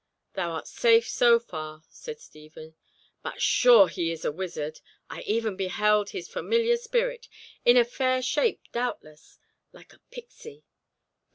"Thou art safe so far," said Stephen. "But sure he is a wizard. I even beheld his familiar spirit—in a fair shape doubtless—like a pixy!